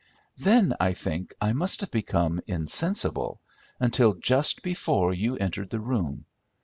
Then I think I must have become insensible until just before you entered the room.